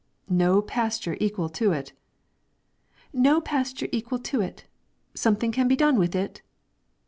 "No pasture equal to it!" "No pasture equal to it! Something can be done with it?"